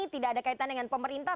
tidak ada kaitan dengan pemerintah